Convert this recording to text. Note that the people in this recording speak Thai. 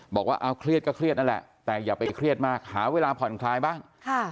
บอกว่าเอาเครียดก็เครียดนั่นแหละแต่อย่าไปเครียดมากหาเวลาผ่อนคลายบ้าง